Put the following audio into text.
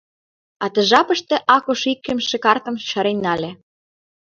А ты жапыште Акош икымше картым ешарен нале.